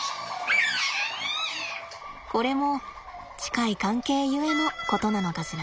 これも近い関係ゆえのことなのかしらね。